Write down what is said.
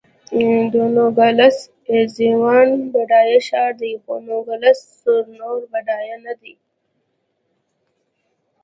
د نوګالس اریزونا بډایه ښار دی، خو نوګالس سونورا بډایه نه دی.